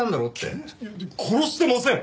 拳銃？殺してません！